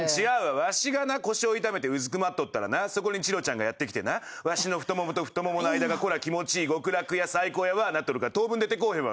わしがな腰を痛めてうずくまっとったらなそこにチロちゃんがやって来てなわしの太ももと太ももの間が気持ちいい極楽や最高やわなっとるから当分出てこうへんわ。